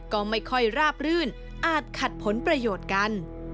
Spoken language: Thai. ก็ไม่ค่อยราบรื่นอาจขัดผลประโยชน์กัน